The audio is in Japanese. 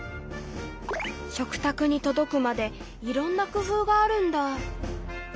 食卓に届くまでいろんな工夫があるんだ。